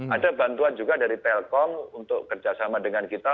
ada bantuan juga dari telkom untuk kerjasama dengan kita